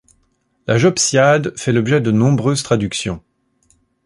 La Jobsiade fait l'objet de nombreuses traductions.